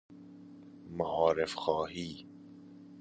معارف خواهی